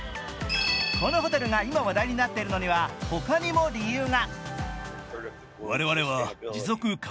このホテルが今、話題になっているのには、他にも理由が。